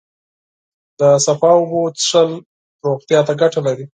د پاکو اوبو څښل روغتیا ته گټه لري.